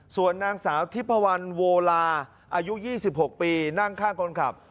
ส่วนนางสาวทิพวันโวลาอายุ๒๖ปีนั่งข้างคนขับ